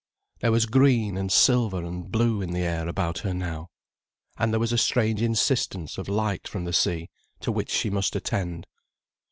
There was green and silver and blue in the air about her now. And there was a strange insistence of light from the sea, to which she must attend.